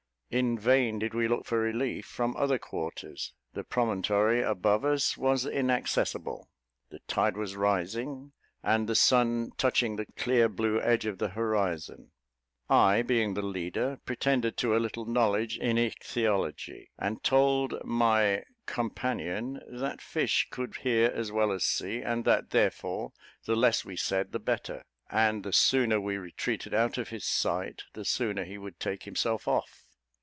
In vain did we look for relief from other quarters; the promontory above us was inaccessible; the tide was rising, and the sun touching the clear blue edge of the horizon. I, being the leader, pretended to a little knowledge in ichthyology, and told my companion that fish could hear as well as see, and that therefore the less we said the better; and the sooner we retreated out of his sight, the sooner he would take himself off.